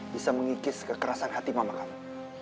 bisa mengikis kekerasan hati mama kami